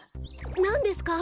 なんですか？